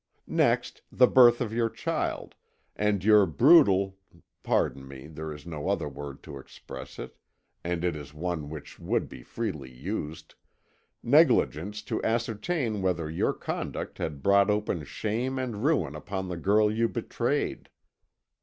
Next, the birth of your child, and your brutal pardon me, there is no other word to express it, and it is one which would be freely used negligence to ascertain whether your conduct had brought open shame and ruin upon the girl you betrayed.